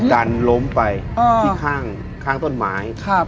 ดันล้มไปที่ข้างต้นไม้